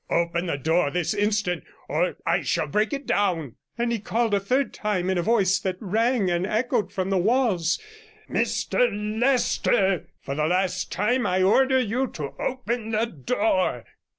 Open the door this instant, or I shall break it down.' And he called a third time in a voice that rang and echoed from the walls — 'Mr Leicester! For the last time I order you to open the door.'